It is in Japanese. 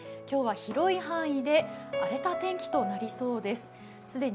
今日は広い範囲で荒れた天気となりそうです。